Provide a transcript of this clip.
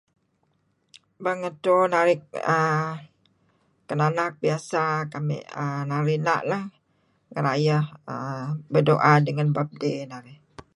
Bang edto narih err tenganak biasa kamih narih na' lah ngerayeh, berdoa dengan birthday narih.